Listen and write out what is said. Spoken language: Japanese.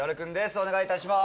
お願いいたします。